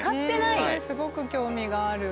すごく興味がある。